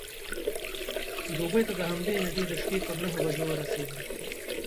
دوبۍ ته د همدې نېټې د شپې پر نهو بجو ورسېدم.